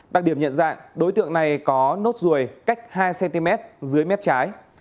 đặc điểm nhận dạng đối tượng này có nốt ruồi cách hai cm dưới mép trái